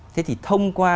thế thì thông qua